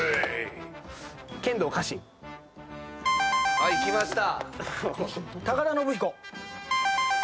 はいきました。